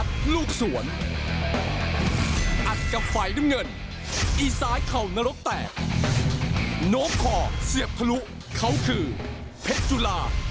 จุฬาเผ็ดสี่หมื่น